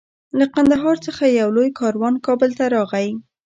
له قندهار څخه یو لوی کاروان کابل ته راغی.